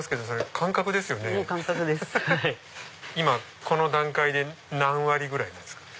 今この段階で何割ぐらいなんですか？